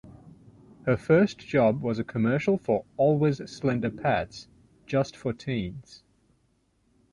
Her first job was a commercial for Always Slender Pads - Just For Teens.